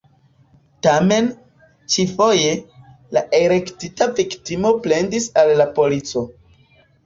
Tamen, ĉi-foje, la elektita viktimo plendis al la polico.